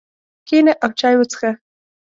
کښېنه او چای وڅښه.